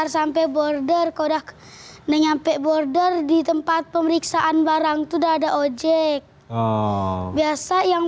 sampai border kodar nyampe border di tempat pemeriksaan barang sudah ada ojek biasa yang